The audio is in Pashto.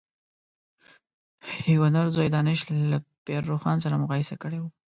یوه نر ځوی دانش له پير روښان سره مقايسه کړی و.